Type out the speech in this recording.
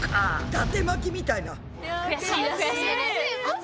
だて巻きみたいな。